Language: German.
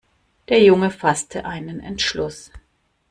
Der Junge fasste einen Entschluss.